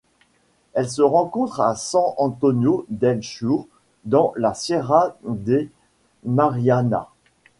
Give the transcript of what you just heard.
Elle se rencontre à San Antonio del Sur dans la Sierra de Mariana.